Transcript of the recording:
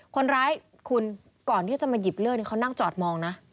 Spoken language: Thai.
คนร้ายคุณก่อนที่จะมาหยิบเลือดเขานั่งจอดมองนะ